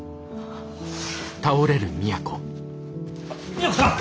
都さん！